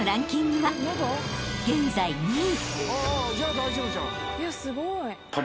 ［現在２位］